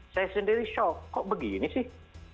saya sendiri shock kok begini sih